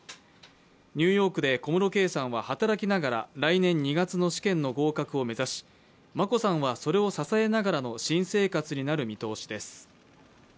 ニューヨークで小室圭さんは働きながら、来年２月の試験の合格を目指し、眞子さんはそれを支えながらの新生活になる見通しです。